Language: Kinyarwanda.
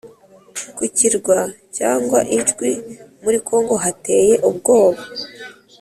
ku Kirwa cy Idjwi muri Congo hateye ubwoba